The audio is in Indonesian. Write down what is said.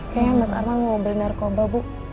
kayaknya mas arma mau beli narkoba bu